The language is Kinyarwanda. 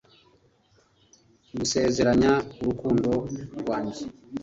kugusezeranya urukundo rwanjye